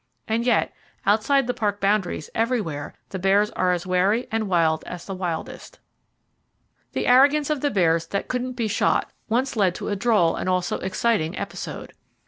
And yet, outside the Park boundaries, everywhere, the bears are as wary and wild as the wildest. [Page 314] The arrogance of the bears that couldn't be shot once led to a droll and also exciting episode.